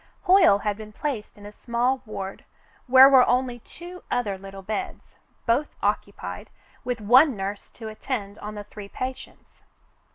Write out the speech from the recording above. Hoyle had been placed in a small ward where were only two other little beds, both occupied, with one nurse to attend on the three patients.